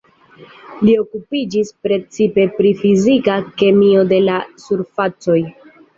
Li okupiĝis precipe pri fizika kemio de la surfacoj.